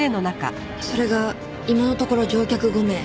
それが今のところ乗客５名。